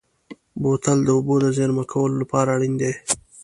بوتل د اوبو د زېرمه کولو لپاره اړین دی.